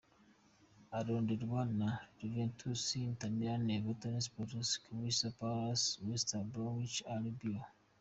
Aronderwa na: Juventus, Inter Milan, Everton, Spurs, Crystal Palace, West Bromwich Albion.